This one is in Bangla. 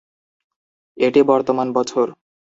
এটি বর্তমান বছর।